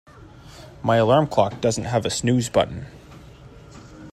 My alarm clock doesn't have a snooze button.